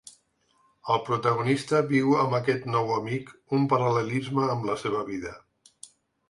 El protagonista viu amb aquest nou amic un paral·lelisme amb la seva vida.